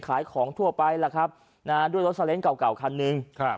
คลายของทั่วไปดูด้วยรถเซเลนส์เก่าขันนึง